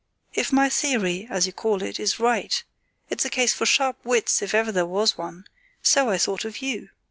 If my theory, as you call it, is right, it's a case for sharp wits, if ever there was one; so I thought of you.